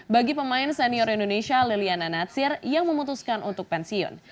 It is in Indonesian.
bagi pemain senior indonesia liliana natsir yang memutuskan untuk pensiun